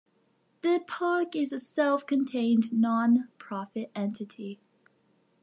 The park is a self-contained non-profit entity.